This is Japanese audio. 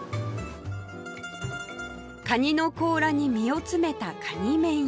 カニの甲羅に身を詰めたカニ面や